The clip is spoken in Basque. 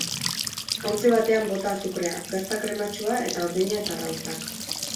Ontzi batean bota azukrea, gazta krematsua eta urdina eta arrautzak.